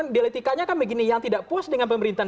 dialektikanya kan begini yang tidak puas dengan pemerintahan